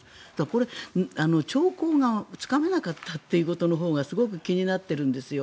これ、兆候がつかめなかったことのほうがすごく気になっているんですよ。